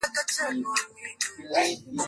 kuunda himaya na eneo kubwa Katika karne